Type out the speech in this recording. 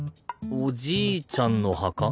おじいちゃんの墓？